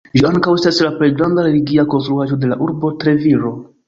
Ĝi ankaŭ estas la plej granda religia konstruaĵo de la urbo Treviro.